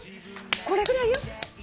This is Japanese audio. これぐらいよ。